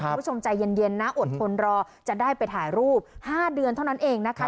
คุณผู้ชมใจเย็นนะอดทนรอจะได้ไปถ่ายรูป๕เดือนเท่านั้นเองนะคะ